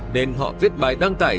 nên họ viết bài đăng tải